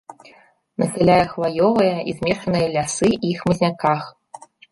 Насяляе хваёвыя і змешаныя лясы і хмызняках.